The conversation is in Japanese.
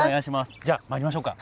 じゃあ参りましょうか。